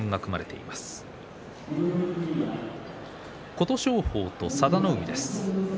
琴勝峰と佐田の海です。